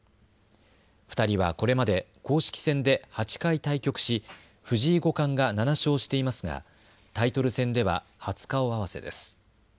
２人はこれまで公式戦で８回対局し藤井五冠が７勝していますがタイトル戦では初顔合わせです。